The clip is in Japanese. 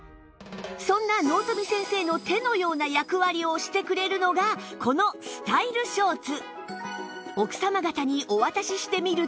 そんな納富先生の手のような役割をしてくれるのがこのスタイルショーツ